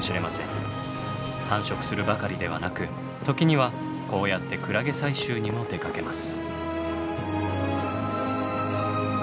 繁殖するばかりではなく時にはこうやってクラゲ採集にも出かけます。